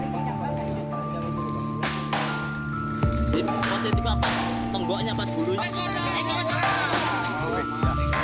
mengapa berada diaman pertama seorang hai